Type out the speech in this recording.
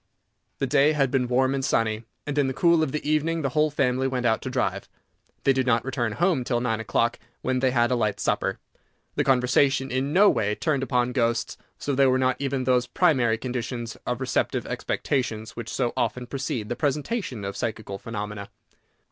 The day had been warm and sunny; and, in the cool of the evening, the whole family went out to drive. They did not return home till nine o'clock, when they had a light supper. The conversation in no way turned upon ghosts, so there were not even those primary conditions of receptive expectations which so often precede the presentation of psychical phenomena.